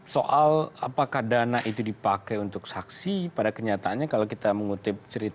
soal apakah dana itu dipakai untuk saksi pada kenyataannya kalau kita mengutip cerita